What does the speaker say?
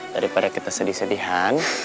daripada kita sedih sedihan